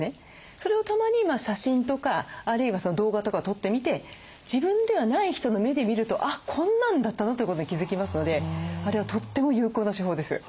それをたまに写真とかあるいは動画とかを撮ってみて自分ではない人の目で見るとあっこんなんだったの？ということに気付きますのであれはとっても有効な手法です。